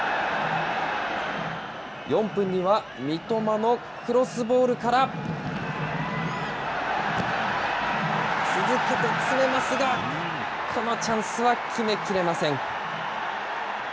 ４分には、三笘のクロスボールから、続けて攻めますが、このチャンスは決めきれません。